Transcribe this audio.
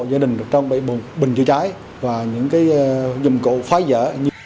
gia đình được trang bị bình chữa cháy và những dụng cụ phá rỡ